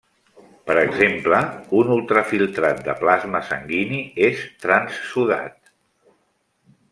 Per exemple, un ultrafiltrat de plasma sanguini és transsudat.